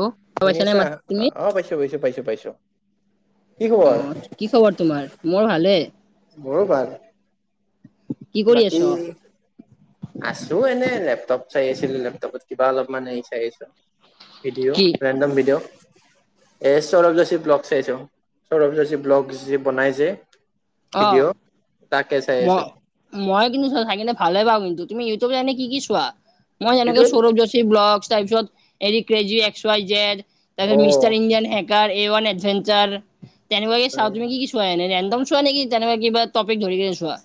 অ শুনি পাইছা নে আছা? মাত তুমি অ' পাইছোঁ পাইছোঁ, পাইছোঁ পাইছোঁ। অ' কি খবৰ তোমাৰ? মোৰ ভালে। মোৰো ভাল। কি কৰি আছ বাকি আছোঁ এনে লেপটপ চাই আছিলোঁ, লেপটপত কিবা অলপমান হেৰি চাই আছোঁ। ভিডিঅ', কি ৰেণ্ডম ভিডিঅ'। এ, চৌৰভ যশীৰ ব্লগ চাইছোঁ, চৌৰভ যশী ব্লগ যে বনাই যে। অ' ভিডিঅ' তাকে চাই ম আছো মই কিন্তু চাই কিনে ভালে পাওঁ কিন্তু। তুমি ইউটিউবত এনে কি কি চোৱা? মই এইটো যেনেকে চৌৰভ চিৰ ব্লক তাৰপিছত এৰি ক্ৰেজী এক্স ৱাই জেড অ তাৰপিছত mister Indian hacker A one adventure তেনেকুৱাকে চাওঁ। উম, তুমি কি কি চোৱা এনে ৰেণ্ডম চোৱা নেকি তেনেকুৱা কিবা টপিক ধৰি কেনে চোৱা?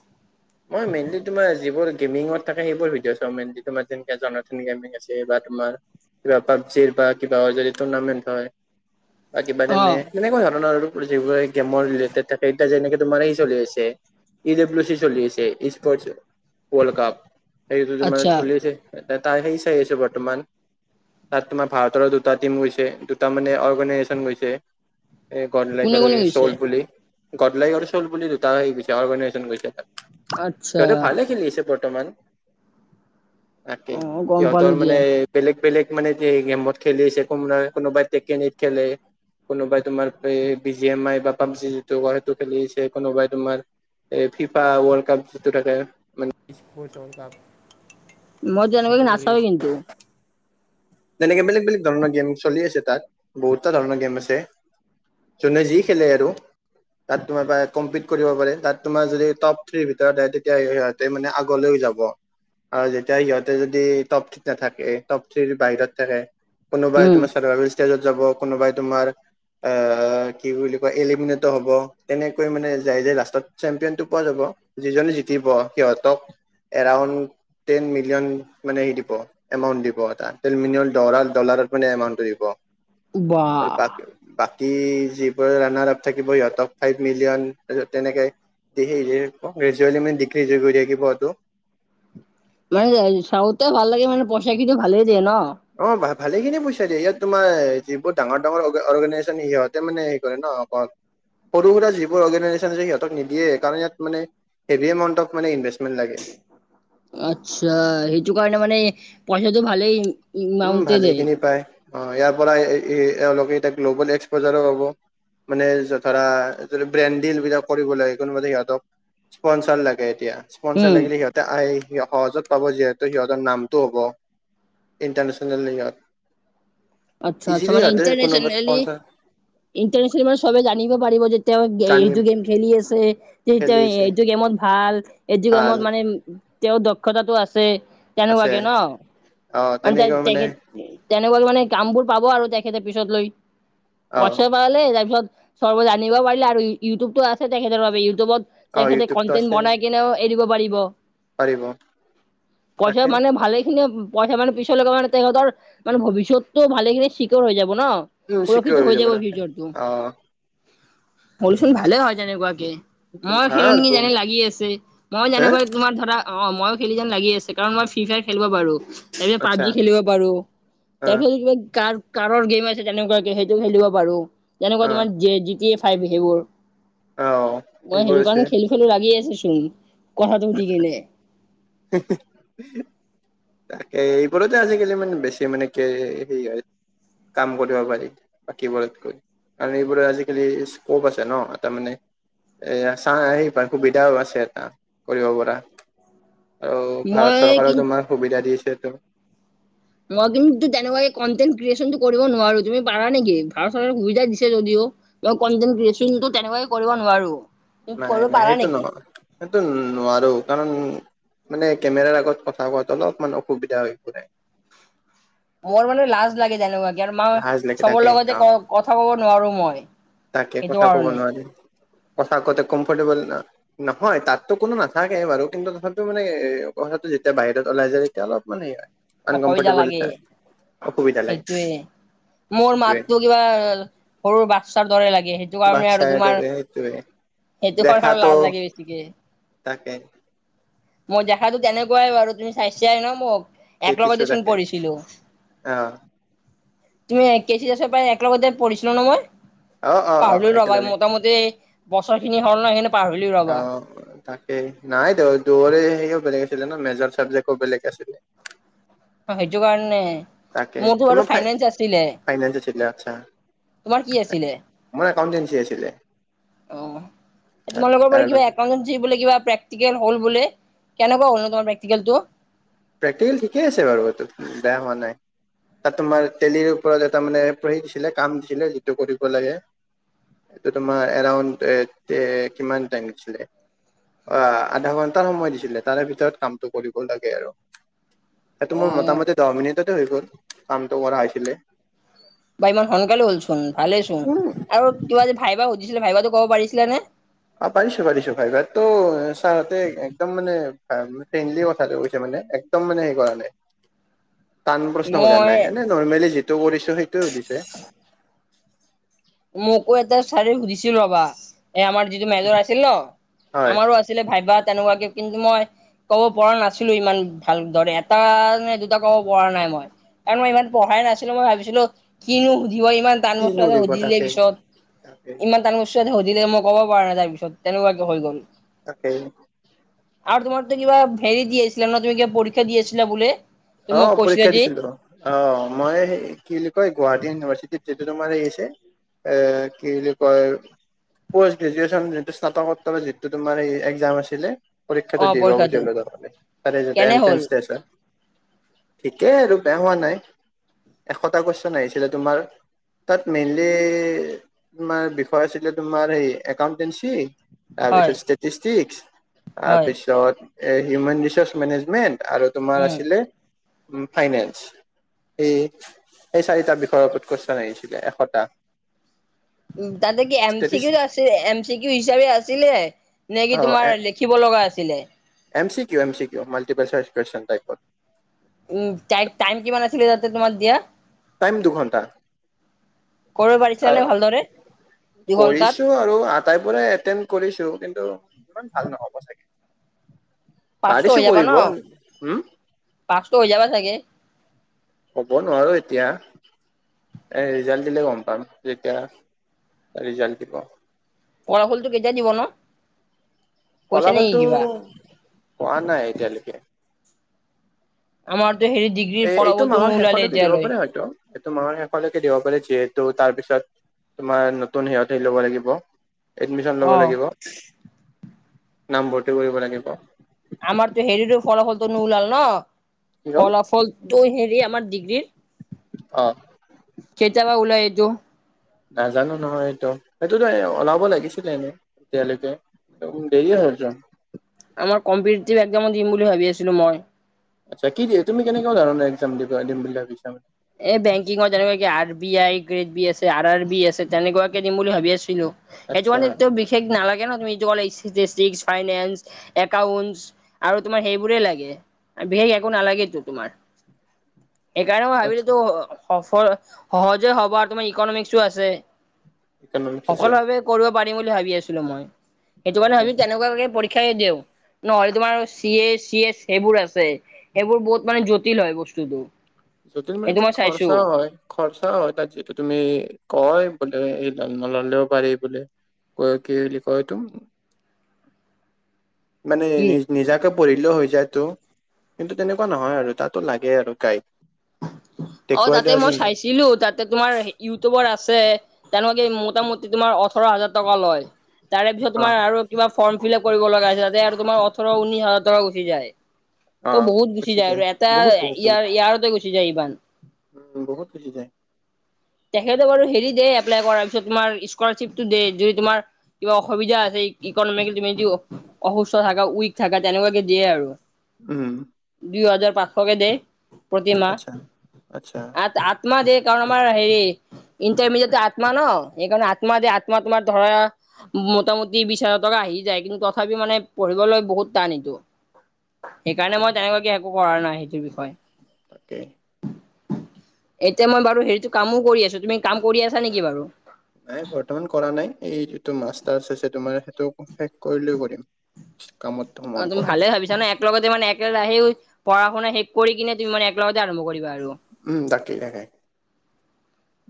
মই মেইনলি তোমাৰ যিবোৰ গেমিঙত থাকে সেইবোৰ ভিডিঅ' চাওঁ, মেইনলি তোমাৰ [unintelligible] আছে বা তোমাৰ কিবা পাবজিৰ বা কিবা যদি টুৰ্ণামেন্ট হয় বা কিবা অ তেনে তেনেকুৱা ধৰনৰ আৰু যিবোৰে গেমৰ ৰিলেটেড থাকে, এতিয়া যেনেকে তোমাৰ হে, চলি আছে। ই ডব্লিও চি চলি আছে, স্পৰ্ট ৱল্ড কাপ, হেইটো তোমাৰ আচ্ছা চলি আছে তাতে সেই চাই আছোঁ বৰ্তমান। তাত তোমাৰ ভাৰতৰ দুটা টিম গৈছে, দুটা মানে অৰ্গেনাইজেচন গৈছে। এই গদলাইক কোনে আৰু কোনে এই গৈছে চ'ল বুলি গডদলাইক আৰু চ'ল বুলি দুটা হে, গৈছে অৰ্গেনাইজেচন গৈছে তাত। আচ্ছা সিহঁতে ভালে খেলি আছে বৰ্তমান। তাকে, অ গম পালো সিহঁতৰ দিয়া মানে বেলেগ বেলেগ মানে যে এই গেমত খেলি আছে, কোনোবাই কোনোবাই টেকেনিত খেলে। কোনোবাই তোমাৰ এই বি জি এম আই বা পাবজি যিটো ক সেইটো খেলি আছে, কোনোবাই তোমাৰ এই ফিফা ৱৰ্ল্ড কাপ যিটো থাকে মানে মই [unintelligible] তেনেকুৱাকে এইটো কৰি নাচাওৱে কিন্তু তেনেকে বেলেগ বেলেগ ধৰণৰ গেম চলি আছে তাত, বহুতো ধৰণৰ গেম আছে। যোনে যি খেলে আৰু, তাত তোমাৰ বা কম্পিট কৰিব পাৰে, তাত তোমাৰ যদি টপ থ্ৰিৰ ভিতৰত আহ তেতিয়া সিহঁতে মানে আগলৈও যাব। আৰু যেতিয়া সিহঁতে যদি টপ থ্ৰী নাথাকে টপ থ্ৰী বাহিৰত থাকে। কোনোবাই উম তোমাৰ চাৰভেল ষ্টেজত যাব কোনোবাই তোমাৰ- অ কি বুলি কয় এলেিমিনেট হ'ব তেনেকৈ মানে যাই য লাষ্টত চেম্পনটো- পোৱা যাব যিজননে জতিব সিহঁতক এৰাউণ্ড- টেন মিলিয়ন মানে সেই দিব। এমাউণ্ট দিব এটা টেন মিলিয়ন ডলাৰ ডলাৰত মানে একাউণ্টটো দিব আৰু বাহ বাক- বাকী যিবোৰ ৰানাৰ আপ থাকিব সিহঁতক ফাইভ মিলিয়ন তাৰপিছত তেনেকে- সেইহে ইয়ৰ গ্ৰেজুৱেলি মানে ডিগ্ৰী কৰি থাকিব সেইটো। মানে চাউথ ভাল লাগে মান পইচা কিন্তু ভালে দিয়ে ন। অ ভ ভালে খিনি পইচা দিয়ে ইহঁতে তোমাৰ যিবোৰ ডাঙৰ ডাঙৰ অৰ্গেনাইজেচন সিহঁতে মানে হেৰি কৰে ন। [unintelligible] সৰু সুৰা যিবোৰ অৰ্গেনাইজেচন সিহঁতক নিদিয়ে কাৰণ ইয়াত মানে হেভি এমাউন্ত ইনভেষ্ট- মিন লাগে। আচ্ছা সেইটো কাৰণে মানে পইচাটো ভালেই- উম ইমাউন্টে ভালে দিয়ে। খিনি পায় অ ইয়াৰ পৰা এওঁলোকে এতিয়া গ্ল'বেল এক্সপজাৰো পাব। মানে ধৰা ব্ৰেণ্ডিল ডিল বিলাক কৰিবলে কোনোবা দিন সিহঁতক। স্পনচাৰ লাগে এতিয়া স্পনচাৰ উম, লাগিলে সিহঁতে আহি সহজত পাব যিহেতু সিহঁতৰ নামটো হ'ব। International New York. আচ্ছা আচ্ছা মানে কোনোবা ইণ্টাৰনেশনেলি স্পনচাৰ ইণ্টাৰনেশনেল চবেই মানে জানিব পাৰিব যে। তেওঁ জানিম এইটো গেম খেলি আছে তেওঁ খেলিছে এইটো গেমত ভাল। এইটো ভাল কামত মানে তেওঁৰ দক্ষতাটো আছে। আছে তেনেকুৱাকে ন অ মানে তাই তেনেকৈ তেখেত- তেনেকুৱা মানে কাম বোৰ পাব আৰু তেখেতে পিছত লৈ অ পইচা পালে তাৰ পিছত- চবেই জানিব পাৰিলে আৰু ইউটিউবতটো আছে তেখেতৰ বাবে ইউটিউবত অ তেখেতে ইউটিউবটো কনটেন্ট আছে বনাই কিনেও- এৰি দিব পাৰিব পাৰিব পইচা তাকে মানে ভালে খিনি- পইচা মানে পিছৰলৈ লগে মানে তেখেতৰ মানে ভৱিষ্যতটো ভালেখিন চিকিয়ৰ হৈ যাব ন। উম সোৰক্ষিত চিকিয়ৰ হৈ যাব তাকে ভিডিঅটো অ ফলিওচোন ভালে হয় তেনেকুৱা কে। মই খেলিম ভাল ব যেন লাগি আছে মই হে যেনেকুৱা তোমাৰ ধৰা- অ মইো খেলি যেন লাগি আছে কাৰণ মই ফ্ৰী ফায়াৰ খেলিব পাৰো। এই যে আচ্ছা পাবজি খেলিব পাৰো অ তাৰ পিছত- কাৰ কাৰৰ গেম আছে তেনেকুৱাকে সেইটো খেলিব পাৰো তেনেকুৱা অ তোমাৰ জি জি কে এফ। সেইবোৰ অ মই এইবোৰ সেইটো আছে কাৰণে খেলি খেলো লাগি আছে চোন কথাটো সুধি কিনে। [unintelligible] তাকে এইবোৰতে আজিকালি ইমান বেছি মানে কি হেৰি হয়। কাম কৰিব পাৰি বাকীবোৰতকৈ। কাৰ এইবোৰত আজিকালি স্কপ আছে ন তাৰ মানে- এয়া চাই পা সুবিধা আছে এটা। কৰিব পৰা আৰু ভাৰত মই কিন চৰকাৰেও তোমাৰ সুবিধা দিছে তো। মই কিন্তু তেনেকুৱা কনটেন ক্ৰিয়েচনটো কৰিব নোৱাৰো তুমি পাৰা নেকি ভাৰত চৰকাৰ সুবিধা দিছে যদিও। কনটেন ক্ৰিয়েচনটো তেনেকুৱে কৰিব নোৱাৰো। তুমি নাই কৰিব নাই পাৰা সেইটো নেকি? নহয় সেইটো নোৱাৰ কাৰণ- মানে কেমেৰাৰ আগত কথা কোৱাটো অলপ মান অসুবিধা হৈ পৰে। মোৰ মানে লাজ লাগে তেনেকুৱা কে আৰু মই লাজ লাগি চবৰ থাকে অ লগতে কথা কব নোৱাৰো মই। তাকে সেইটো কথা ক'ব কাৰণে নোৱাৰি। কথা কতে কমফৰ্টেবল ন নহয় তাতটো কোনো নাথাকে বাৰু কিন্তু তথাপিও মানে এ কথাটো যেতিয়া বাহিৰত ওলাই যায় তেতিয়া অলপ মানে অসুবিধা লাগে। লাগে সেইটোৱে, মোৰ সেইটোৱে মাতটো কিৱা, সৰু বাক্সাৰ দৰে লাগে সেই সটো কাৰণে আৰু বাচ্ছাৰ তোমাৰ, দৰে সেইটোৱে সেইটো কাৰনে আৰু দেখাতো লাজ লাগে বেছিকে। তাকে মই দেখাতো তেনেকুৱাই আৰু তুমি চাইছাই'ন মোক? এক দেখিছো লগে চোন তাকে পঢ়িছিলো। অ তুমি কেচি দছৰ পায় এক লগতে পঢ়িছিল ন অ অ অ পাহলো ৰ'বা একেলগে মোটামুটি, বছৰ খিনি হল ন' হ অ তাকেই, নাই দে দৰে হেৰিও বেলেগ আছিলে ন, মেজৰ চাবজেক্টও বেলেগ আছিলে। অ সেইটো কাৰণে। তাকে মোৰতো বাৰু তোমাৰ ফাই ফাইনেন্স আছিলে। ফাইনেন্স আছিলে আচ্ছা তোমাৰ কি তাকে। আছিলে? মোৰ একাউনটেঞ্চি আছিলে। অঁ। তাৰে তোমালোকৰ তাৰে পৰা কিবা একাউটেচিত কিবা প্ৰেক- টিকেল হ'ল বোলে, কেনেকুৱা হ'ল নু তোমাৰ প্ৰেকটিকেলটো? প্ৰেক্টিকেল ঠিকেই আছে বাৰু ইটো, বেয়া হোৱা নাই। তাত তোমাৰ তেলিৰ ওপৰত এটা মানে পঢ়ি দিছিলে, কাম দিছিলে, যিটো কৰিব লাগে। এটো তোমাৰ এৰাউণ্ড এ কিমান টাইনছিলে? অ আধা ঘন্টাৰ সময় দিছিলে তাৰে ভিতৰত কামটো কৰিব লাগে আৰু। এটো অ তুমাৰ মোটামুটি দহ মিনিটতে হৈ যায়, কামটো কৰা হৈছিলে। বা ইমান সোনকালে হ'লচোন ভালেই চোন, উম, আৰু কিবা যে ভাইবা সুধিছিলে ভাইবা'তু ক'ব পাৰিছিলা নে? অ পাৰিছো পাৰিছো, ভাইবা তো ছাৰহতে একদম মানে ফ্ৰেণ্ডলি কথাটো কৈছে মানে, একদম মানে সেই কৱা নাই। টান প্ৰশ্ন সোধা মই নাই এনে নৰ্মেলি যিটো কৰিছো সেইটোয়ে সুধিছে। মোকো এটা চাৰি সুধিছিল ৰাবা, এই আমাৰ যিটো মেজৰ আছিল ন, হয় আমাৰো আছ ছিলে ভাইবা তেনেকুৱাকে কিন্তু মই ক'ব পৰা নাছিলো ইমান ভাল দৰে, এটা নে দুটা ক'ব পৰা নাই মই। কাৱণ মই ইমান পঢ়া নাছিলো মই ভাবিছিলো কিনো সুধিব ইমান টান ব কিনো সুধিব সুধিলে তাকে পিছত, তাকে ইমান টান কুচন সুধিলে মই ক'ব পৰা নাই তাৰ পিছত তেনেকুৱাকে হৈ গ'ল। তাকেই। আৰু তোমাৰতো কিবা ভেৰি দিয়ছিলা ন? তুমি কিবা পৰীক্ষা দিয়ছিলা বুলে? অ' পৰীক্ষা দিছিলো ম। অ' মই কি বুলি কয় গুৱাহাটী ইউনিভাৰ্চিটিত যিটো তোমাৰ হেই আছে- এ, কি বুলি কয়? পষ্ট গ্ৰেজুৱেন যিটো স্নাতকোত্তৰ যিটো তোমাৰ এই একজাম আছিলে পৰীক্ষাটো দিবা লগছিল তৰে, তাৰে যিটো কেনে হ'ল এন্ট্ৰেন্স ষ্টেচ হয় ঠিকেই আৰু বেয়া হোৱা নাই, এশটা কুৱেছন আহিছিলে তোমাৰ তাত মেইনলি, তোমাৰ বিষয় আছিলে তোমাৰ হে একাউন্টেঞ্চি হয় তাৰপিছত ষ্টেটিষ্টিকচ, তাৰ হয় পিছত এ হিউমেন ৰিচাৰ্চ মেনেজমেন্ট আৰু তোমাৰ উম আছিলে ফাইনেন্স। এই, এই চাৰিটা বিষয়ৰ ওপৰত কুৱেশচন আহিছিলে এশটা। উ তাতে কি এম চি ষ্টেটিষ্ট কিউ আছি এম চি কিউ হিচাপে আছিলে নে কি অ তোমাৰ লে ক্ষিব লগা আছিলে? M C Q, M C Q, multiple choice question টাইপত। উম' টাইট-টাইম কিমান আছিলে তাতে তোমাৰ দিয়া? টাইম দুঘণ্টা। কৰিব পাৰিছিলা আহ, নে ভালদৰে দুঘন্টাত কৰিছো আৰু আ- আটাইবোৰে এটেণ্ড কৰিছো, কিন্তু ইমান ভাল নহ'ব চাগে। পাছটো পাৰিছো কৰিব উম। পাঁচটো হৈ যাবা চাগে? ক'ব নোৱাৰো এতিয়া। এ ৰিজাল্ট দিলে গম পাম যেতিয়া, ৰিজাল্ট দিব। ফলাফলটো কেতিয়া নিব ন? কৈছে নেকি ফলাফলটো কিবা পোৱা নাই এতিয়ালৈকে। আমাৰটো হেৰি দি এ এইটো মাহৰ শেষলৈকে দিব পাৰে হয়তো, এইটো মাহৰ শেষলৈকে দিব পাৰে যিহেতু, তাৰপিছত তোমাৰ নতুন সিহঁতে ল'ব লাগিব। এডমিশন লব অ লাগিব। নামভৰ্তি কৰিব লাগিব। আমাৰতো হেৰিটো ফলাফলটো নোলাল ন? কি হ'ল ফলাফল তই হেৰি আমাৰ ডিগ্ৰীৰ? অ। কেতিয়াবা ওলাই এইটো নাজানো নহয় এইটো, সেইটোতো ওলাব লাগিছিলে এনে এতিয়ালৈকে। ত দেৰিয়ে হৈছে। আমাৰ কম্পিটিটিভ একজামো দিম বুলি ভাবি আছিলো মই। আচ্ছা কি দি তুমি কেনেকুৱা ধৰণৰ একজাম দিবা দিম বুলি ভাবিছা মানে? এই বেংকিঙৰ তেনেকুৱা কি R B I grade B আছে, আৰ আৰ বি আছে, তেনেকুৱাকে দিম বুলি ভাবি আছিলো। সেইটো আচ্ছা কাৰণে বিশেষ নালাগে ন? তুমি যোৱা এইচেচজেচিচ ফাইনেন্স একাউন্টচ। আৰু তোমাৰ সেইবোৰেই লাগে বিশেষ একো নালাগেতো তোমাৰ, সেইকাৰণে মই ভাবিলোঁ। আচ্ছা সফল সহজে হ'বা তুমি ইকনমিক্সো আছে। ইকনমিক্স সকলো আছে ভাৱে কৰিব পাৰিম বুলি ভাবি আছিলো মই। সেইটো কাৰণে ভাবি তেনেকুৱাকে পৰীক্ষাই দিওঁ। নহ'লে তোমাৰ চি এ চি এচ সেইবোৰ আছে, সেইবোৰ বহুত মানে জটিল হয় বস্তুটো। যতিল মানে সেইটো তাত মই চাইছো খৰচাও হয়। খৰচাও হয় তাত যিতু তুমি কয় বোলে এই ঘলেও পাৰি বুলি কয় কি বুলি কয় এই টো? মানে কি নি নিজাকে পঢ়িলেও হৈ যায়টো কিন্তু, তেনেকুৱা নহয় আৰু তাতো লাগে আৰু গাইদ। অ তাতে মই চাইছিলোঁ তাত তোমাৰ ইউটিউবাৰ আছে, তেওঁনেলোকে মোটামুটি তোমাৰ ওঠৰ হাজাৰ টকা লয়। তাৰে পিছত অ তোমাৰ আৰু কিবা ফৰ্ম ফিলাপ কৰিব লগা আছে, তাতে আৰু তোমাৰ ওঠৰ ঊনিশ হাজাৰ টকা গুচি যায়। অ তো বহুত গুচি যায় আৰু এটা বহুত বহুত ইয়াৰ বহুত ইয়াৰতে গুচি যায় ইমান। উম বহুত গুছি যায়। তেখেতে বাৰু হেৰি দে এপ্লাই কৰাৰ পিছত তোমাৰ স্কলাৰশ্বিপটো দে যদি তোমাৰ। কিবা অসুবিধা আছে ইকনমিক তুমি য অসুস্থ থাকা, উইক থাকা তেনেকুৱাকে দিয়ে আৰু। উম। দুই হাজাৰ পাঁচশকে দে প্ৰতিমাহ, আচ্ছা আচ্ছা আঠ আঠ। তোমাৰ দে কাৰণ আমাৰ হেৰি। ইণ্টাৰমিডিয়েট আত্মা ন? সেইকাৰণে আত্মা যে আত্মা তোমাৰ ধৰা মোটামুটি বিশ হাজাৰ টকা আহি যায়, কিন্তু তথাপি মানে পঢ়িবলৈ বহুত টান এইটো। সেইকাৰণে মই বহুত তেনেকুৱাকে একো কৰা নাই সেইটোৰ বিষয়ে। তাকে। এতিয়া মই বাৰু হেৰিতটো কামো কৰি আছো তুমি কাম কৰি আছা নেকি বাৰু? নাই বৰ্তমান কৰা নাই এই যিটো মাষ্টাৰ আছে তোমাৰ সেইটো শেষ কৰিলে কৰিম। কামত অ সোমাম তুমি ভালে কৰবাত ভাবিছা ন এক সেইটো লগতে মানে একেৰাহেও পঢ়া-শুনা শেষ কৰি কিনে তুমি মানে একেলগতে আৰম্ভ কৰিবা আৰু উম তাকেহে।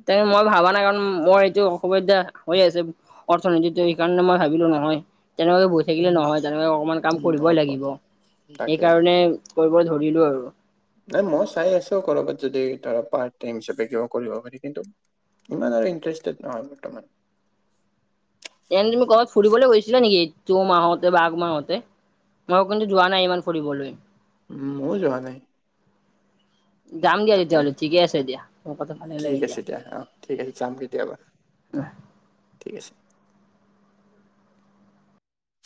তাকে মই ভাবা নাই কাৰণ মোৰ এইটো অসুবিধা হৈ আছে। অৰ্থনীতিটো সেইকাৰণে মই ভাবিলো নহয় তেনেকে ব থাকিলে উম নহয় তেনেকৈ অকণমান কাম উম কৰিবই হ'ব লাগিব। তাকে সেইকাৰণে কৰিব ধৰিলোঁ আৰু নাই মই চাই আছো কৰ'বাত যদি ধৰা পাৰ্ট টাইম হিচাপে কিবা কৰিব পাৰি কিন্তু। ইমান আৰু ইণ্টাৰেষ্টেড নহয় বৰ্তমান। এনে তুমি ক'বাত ফুৰিবলে গৈছিলা নেকি ত' মাহতে আগ মাহতে? মই কিন্তু যোৱা নাই ইমান ফুৰিবলৈ। উম ময়ো যোৱা নাই। যাম দিয়া তাকে তেতিয়াহ'লে ঠিকে আছে দিয়া, কথা ভাল ঠিক লাগে দিয়া। আছে দিয়া, অৱ। ঠিক আছে যাম কেতিয়াবা, ঠিক আছে।